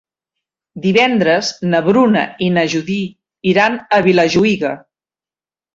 Divendres na Bruna i na Judit iran a Vilajuïga.